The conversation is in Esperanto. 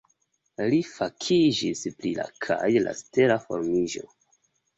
Li fakiĝis pri la kaj la stela formiĝo.